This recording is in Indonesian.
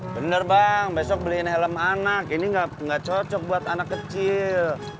bener bang besok beliin helm anak ini gak cocok buat anak kecil